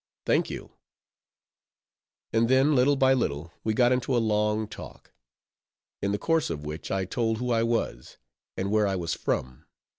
"Thank you." And then, little by little, we got into a long talk: in the course of which, I told who I was, and where I was from.